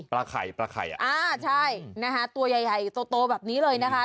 ปลาไข่ใช่ตัวใหญ่โตแบบนี้เลยนะคะ